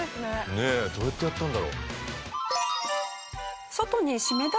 どうやってやったんだろう。